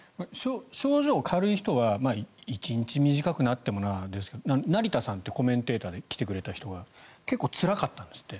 症状が軽い人は１日短くなってもなですけど成田さんってコメンテーターで来てくれた方が結構、つらかったんですって。